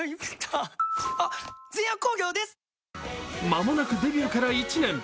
間もなくデビューから１年。